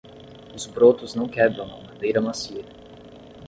Os brotos não quebram a madeira macia.